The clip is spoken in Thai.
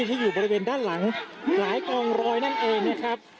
ที่อยู่บริเวณด้านหลังหลายกองรอยนั่นเองนะครับ